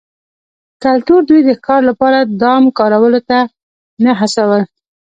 کلتور دوی د ښکار لپاره دام کارولو ته نه هڅول